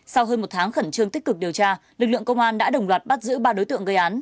sau hơn một tháng khẩn trương tích cực điều tra lực lượng công an đã đồng loạt bắt giữ ba đối tượng gây án